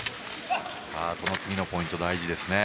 この次のポイントが大事ですね。